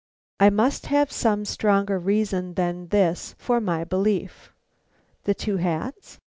I must have some stronger reason than this for my belief. The two hats?